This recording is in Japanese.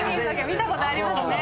見たことありますね。